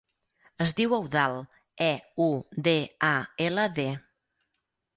Es diu Eudald: e, u, de, a, ela, de.